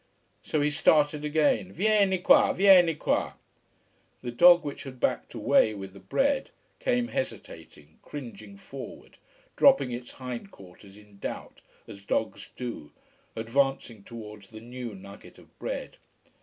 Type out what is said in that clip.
So he started again. "Vieni qua! Vieni qua!" The dog, which had backed away with the bread, came hesitating, cringing forward, dropping its hind quarters in doubt, as dogs do, advancing towards the new nugget of bread.